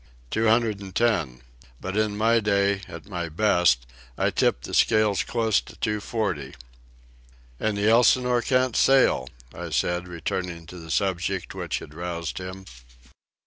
"Two hundred an' ten. But in my day, at my best, I tipped the scales close to two forty." "And the Elsinore can't sail," I said, returning to the subject which had roused him.